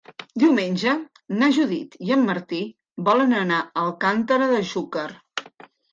Diumenge na Judit i en Martí volen anar a Alcàntera de Xúquer.